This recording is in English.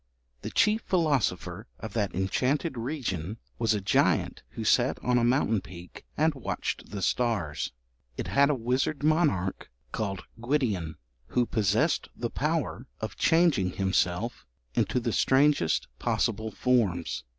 The chief philosopher of that enchanted region was a giant who sat on a mountain peak and watched the stars. It had a wizard monarch called Gwydion, who possessed the power of changing himself into the strangest possible forms.